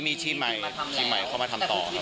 มีชีพใหม่ชีพใหม่เข้ามาทำต่อ